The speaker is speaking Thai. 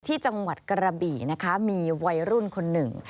จังหวัดกระบี่นะคะมีวัยรุ่นคนหนึ่ง